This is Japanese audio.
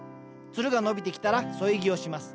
ツルが伸びてきたら添え木をします。